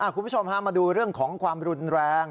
คุณผู้ชมมาดูเรื่องของความรุนแรง